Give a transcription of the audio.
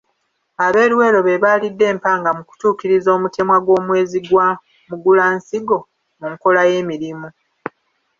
Ab'eLuweero be baalidde empanga mu kutuukiriza omutemwa gw'omwezi gwa Mugulansigo mu nkola y'emirimu.